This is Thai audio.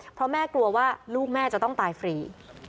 เพราะแม่กลัวว่าลูกแม่จะต้องตายฟรี